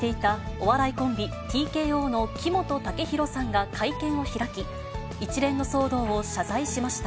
お笑いコンビ、ＴＫＯの木本武宏さんが会見を開き、一連の騒動を謝罪しました。